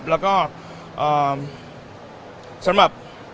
แล้วก็สำหรับ